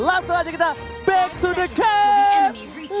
langsung saja kita back to the game